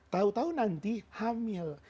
tahu tahu nanti hamil